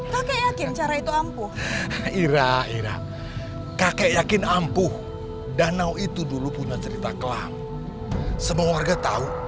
kakek yakin cara itu ampuh ira ira kakek yakin ampuh danau itu dulu punya cerita kelam semua warga tahu